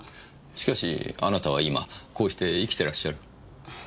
しかしあなたは今こうして生きてらっしゃる。